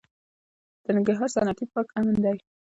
د ننګرهار صنعتي پارک امن دی؟